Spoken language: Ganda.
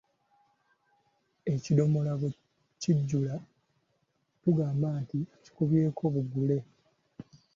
Ekidomola bwe kijjula tugamba nti “Kikubyeko bugule.”